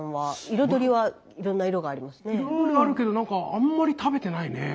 彩りはあるけどなんかあんまり食べてないね。